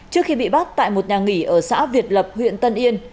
trước khi bị bắt tại một nhà nghỉ ở xã việt lập huyện tân yên